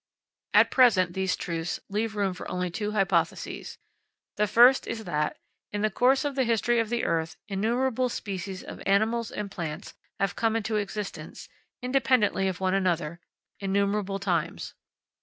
At present these truths leave room for only two hypotheses. The first is that, in the course of the history of the earth, innumerable species of animals and plants have come into existence, independently of one another, innumerable times.